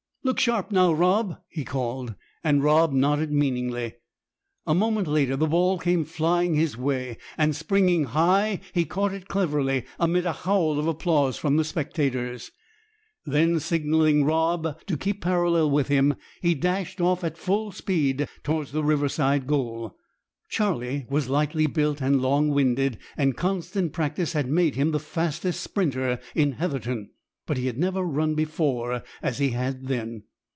"Look sharp now, Rob," he called, and Rob nodded meaningly. A moment later the ball came flying his way, and springing high he caught it cleverly, amid a howl of applause from the spectators. Then, signalling Rob to keep parallel with him, he dashed off at full speed towards the Riverside goal. Charlie was lightly built and long winded, and constant practice had made him the fastest "sprinter" in Heatherton. But he had never run before as he had then.